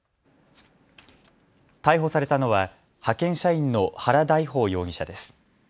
逮捕されたのは派遣社員の原大豊容疑者です。